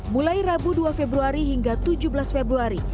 mulai rabu dua februari hingga tujuh belas februari